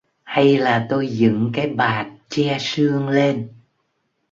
Hay là tôi dựng cái bạt che sương lên